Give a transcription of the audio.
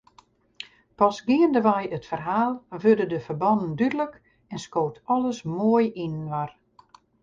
Pas geandewei it ferhaal wurde de ferbannen dúdlik en skoot alles moai yninoar.